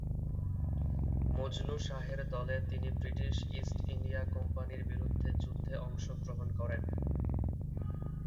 মজনু শাহের দলে তিনি ব্রিটিশ ইস্ট ইন্ডিয়া কোম্পানির বিরুদ্ধে যুদ্ধে অংশগ্রহণ করেন।